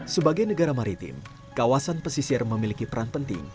sebagai negara maritim kawasan pesisir memiliki peran penting